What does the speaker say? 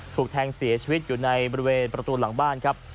ถูกแทงเสียชีวิตอยู่ในบริเวณประตูหลังบ้านครับ